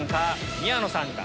宮野さんか？